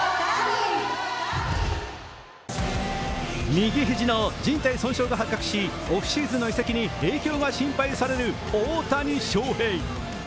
右肘のじん帯損傷が発覚しオフシーズンの移籍に影響が心配される大谷翔平。